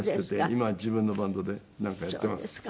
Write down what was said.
今は自分のバンドでなんかやっています。